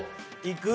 いく？